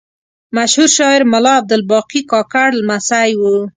مشهور شاعر ملا عبدالباقي کاکړ لمسی و.